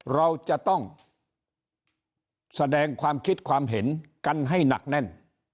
เราจะต้องแสดงความคิดความเห็นกันให้หนักแน่น